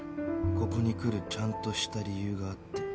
ここに来るちゃんとした理由があって